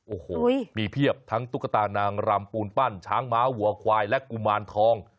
โอ้โหมีเพียบทั้งตุ๊กตานางรำปูนปั้นช้างม้าวัวควายและกุมารทอง